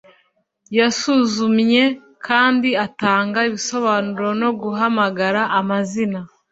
yasuzumye kandi atanga ibisobanuro no guhamagara amazina